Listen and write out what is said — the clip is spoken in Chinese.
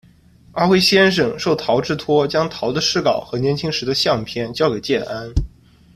阿辉先生受陶之托将陶的诗稿和年轻时的相片交给建安。